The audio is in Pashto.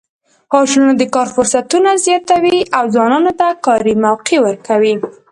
هوټلونه د کار فرصتونه زیاتوي او ځوانانو ته کاري موقع ورکوي.